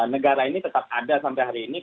negara ini tetap ada sampai hari ini